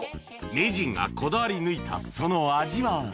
名人がこだわり抜いたその味は？